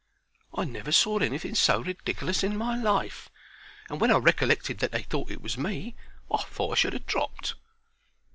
I never saw anything so ridikerlous in my life, and when I recollected that they thought it was me, I thought I should ha' dropped.